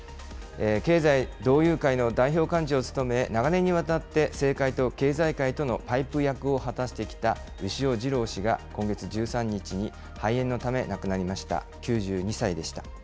経済同友会の代表幹事を務め、長年にわたって政界と経済界とのパイプ役を果たしてきた牛尾治朗氏が、今月１３日に肺炎のため亡くなりました。